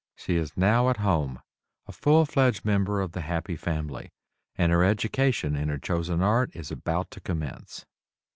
She is now "at home," a full fledged member of the "happy family," and her education in her chosen art is about to commence.